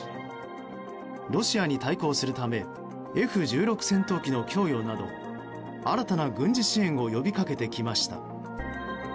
ロシアに対抗するためＦ１６戦闘機の供与など新たな軍事支援を呼び掛けてきました。